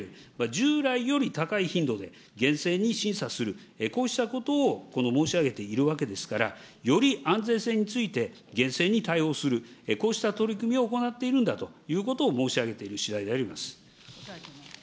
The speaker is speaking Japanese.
従来より高い頻度で厳正に審査する、こうしたことを申し上げているわけですから、より安全性について、厳正に対応する、こうした取り組みを行っているんだということを申し上げているしだいであります。